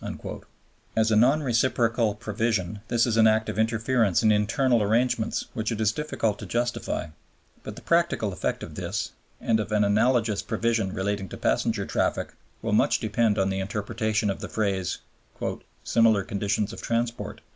" As a non reciprocal provision this is an act of interference in internal arrangements which it is difficult to justify, but the practical effect of this, and of an analogous provision relating to passenger traffic, will much depend on the interpretation of the phrase, "similar conditions of transport."